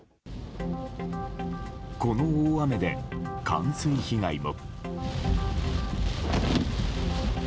この大雨で、冠水被害も。